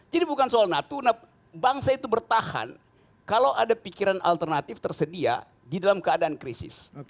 jadi bukan soal natuna bangsa itu bertahan kalau ada pikiran alternatif tersedia di dalam keadaan krisis